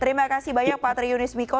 terima kasih banyak pak triunis miko